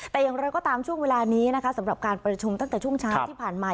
แต่อย่างไรก็ตามช่วงเวลานี้นะคะสำหรับการประชุมตั้งแต่ช่วงเช้าที่ผ่านมา